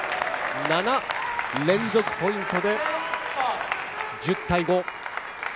７連続ポイントで１０対５。